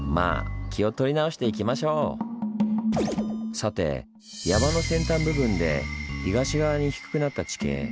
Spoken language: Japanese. さて山の先端部分で東側に低くなった地形。